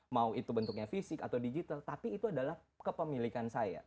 mau itu bentuknya fisik atau digital tapi itu adalah kepemilikan saya